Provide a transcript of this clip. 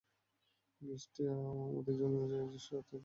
খ্রিস্টীয় ঐতিহ্য অনুযায়ী যিশু রাত্রিতে জন্মগ্রহণ করেন।